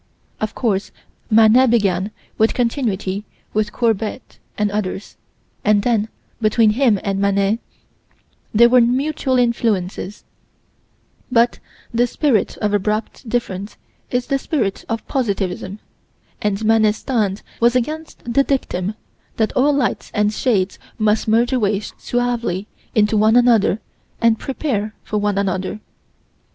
Of course, Manet began with continuity with Courbet and others, and then, between him and Manet there were mutual influences but the spirit of abrupt difference is the spirit of positivism, and Manet's stand was against the dictum that all lights and shades must merge away suavely into one another and prepare for one another.